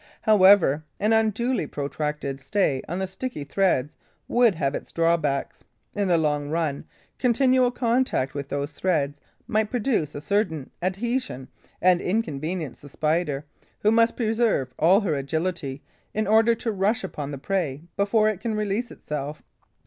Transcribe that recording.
However, an unduly protracted stay on the sticky threads would have its drawbacks. In the long run, continual contact with those threads might produce a certain adhesion and inconvenience the Spider, who must preserve all her agility in order to rush upon the prey before it can release itself.